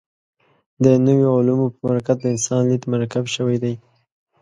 د نویو علومو په برکت د انسان لید مرکب شوی دی.